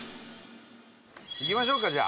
行きましょうかじゃあ。